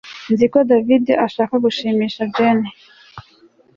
Nzi ko David ashaka gushimisha Jane